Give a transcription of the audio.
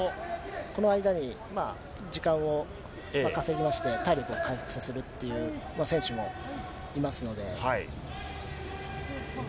この間に時間を稼ぎきまして、体力を回復させるっていう選手もいますので。